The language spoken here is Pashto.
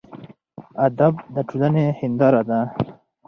ادب د ټولنې هینداره ده.